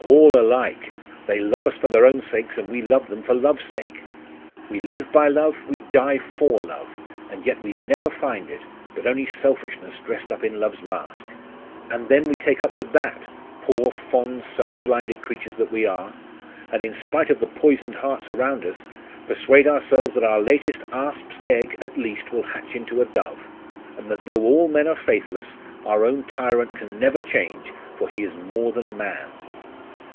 all alike! They love us for their own sakes, and we love them for love's sake. We live by love, we die for love, and yet we never find it, but only selfishness dressed up in love's mask.... And then we take up with that, poor, fond, self blinded creatures that we are! and in spite of the poisoned hearts around us, persuade ourselves that our latest asp's egg, at least, will hatch into a dove, and that though all men are faithless, our own tyrant can never change, for he is more than man!